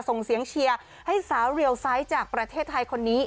ส่งเสียงเชียร์ให้สาวเรียลไซส์จากประเทศไทยคนนี้